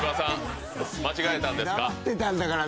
黙ってたんだから。